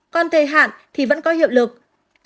còn thời hạn thì vẫn có hiệu lực